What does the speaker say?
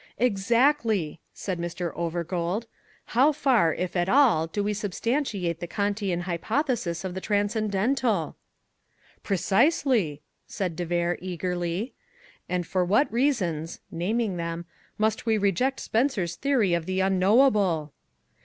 "Exactly," said Mr. Overgold. "How far, if at all, do we substantiate the Kantian hypothesis of the transcendental?" "Precisely," said de Vere eagerly. "And for what reasons [naming them] must we reject Spencer's theory of the unknowable?"